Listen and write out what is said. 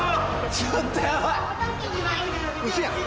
ちょっとやばいウソやん？